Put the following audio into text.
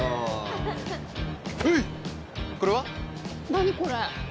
何これ？